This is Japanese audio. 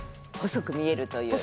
細く見えるという。